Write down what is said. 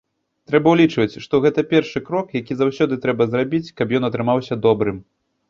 Трэба ўлічваць, што гэта першы крок, які заўсёды трэба зрабіць, каб ён атрымаўся добрым.